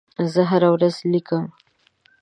زه هره ورځ لیکم.